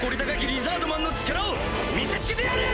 リザードマンの力を見せつけてやれ！